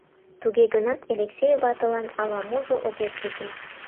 Туге гынат, Элексей ватылан ала-можо огеш сите.